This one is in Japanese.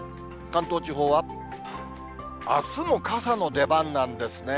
関東地方は、あすも傘の出番なんですね。